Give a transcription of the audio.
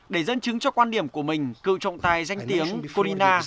để dân chứng cho quan điểm của mình cựu trọng tài danh tiếng corina